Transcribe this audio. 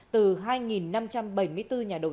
từ hai năm trăm bảy mươi năm tỷ đồng